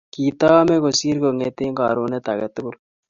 Kitameei kosir konget eng karonet age tugul